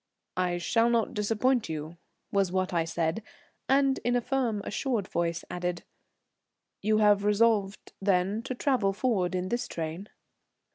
"I shall not disappoint you," was what I said, and, in a firm assured voice, added, "You have resolved then to travel forward in this train?"